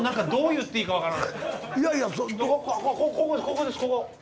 ここですここ。